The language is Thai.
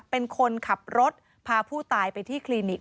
เป็นคนขับรถพาผู้ตายไปที่คลินิก